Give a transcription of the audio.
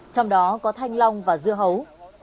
trong đó có thanh long và dưa hấu